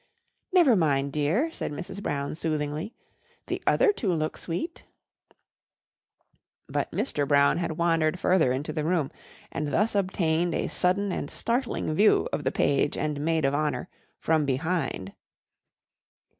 "Never mind, dear," said Mrs. Brown soothingly, "the other two look sweet." But Mr. Brown had wandered further into the room and thus obtained a sudden and startling view of the page and maid of honour from behind.